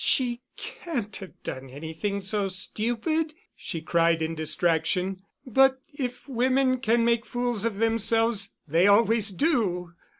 "She can't have done anything so stupid," she cried in distraction. "But if women can make fools of themselves, they always do!"